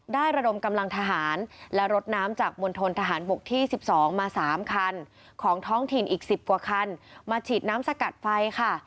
ระดมกำลังทหารและรถน้ำจากมณฑนทหารบกที่๑๒มา๓คันของท้องถิ่นอีก๑๐กว่าคันมาฉีดน้ำสกัดไฟค่ะ